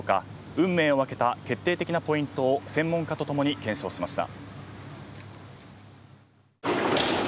運命を分けた決定的なポイントを専門家とともに検証しました。